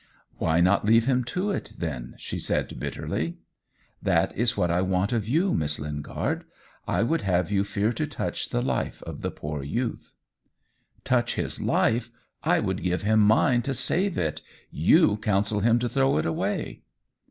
"Why not leave him to it, then?" she said bitterly. "That is what I want of you, Miss Lingard. I would have you fear to touch the life of the poor youth." "Touch his life! I would give him mine to save it. YOU counsel him to throw it away."